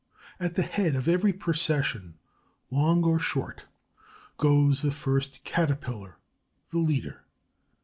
At the head of every procession, long or short, goes the first Caterpillar, the leader.